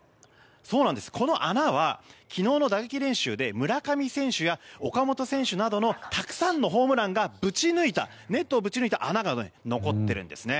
この穴は昨日の打撃練習で村上選手や岡本選手などのたくさんのホームランがぶち抜いたネットをぶち抜いた穴が残っているんですね。